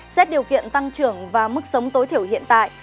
xét điều kiện tăng trưởng và mức sống tối thiểu hiện tại